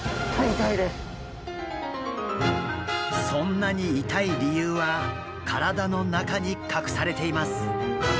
そんなに痛い理由は体の中に隠されています。